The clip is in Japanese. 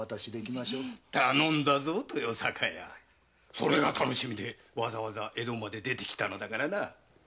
それが楽しみでわざわざ江戸まで出てきたのだからな。